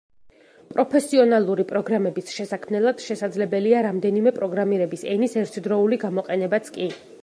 პროფესიონალური პროგრამების შესაქმნელად შესაძლებელია რამდენიმე პროგრამირების ენის ერთდროული გამოყენებაც კი.